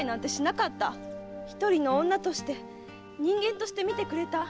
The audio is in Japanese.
一人の女として人間として見てくれた。